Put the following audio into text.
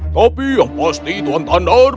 tapi yang pasti tuan thunders